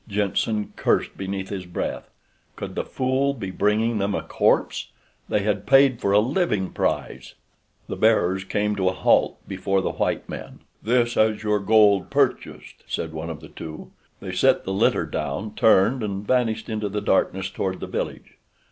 Jenssen cursed beneath his breath. Could the fool be bringing them a corpse? They had paid for a living prize! The bearers came to a halt before the white men. "This has your gold purchased," said one of the two. They set the litter down, turned and vanished into the darkness toward the village.